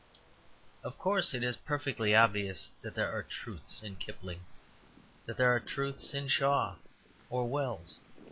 Of course, it is perfectly obvious that there are truths in Kipling, that there are truths in Shaw or Wells.